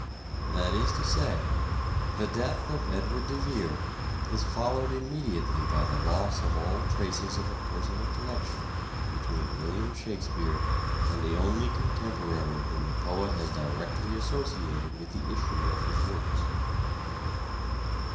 That is to say, the death of Edward de Vere is followed immediately by the loss of all traces of a personal connection between William Shakspere and the only contemporary whom the poet has directly associated with the issue of his works.